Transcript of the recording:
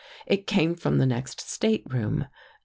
It came from the next stateroom.